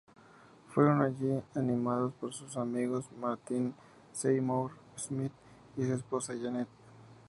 Fueron allí animados por sus amigos Martin Seymour- Smith y su esposa, Janet.